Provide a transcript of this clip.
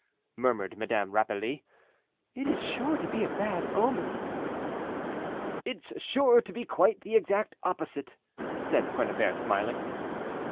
murmured Madame Rapally; "it is sure to be a bad omen." "It's sure to be the exact opposite," said Quennebert smiling.